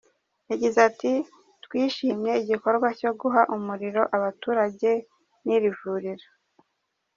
Yagize ati “Twishimye igikorwa cyo guha umuriro abaturage n’iri vuriro.